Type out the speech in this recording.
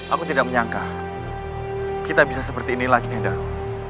aku tidak menyangka kita bisa seperti ini lagi hender